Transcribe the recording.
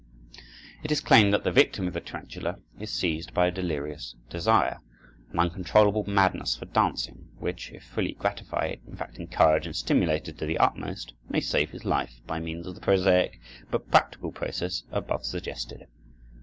It is claimed that the victim of the tarantula is seized by a delirious desire, an uncontrollable madness for dancing, which, if fully gratified, in fact encouraged and stimulated to the utmost, may save his life by means of the prosaic but practical process above suggested.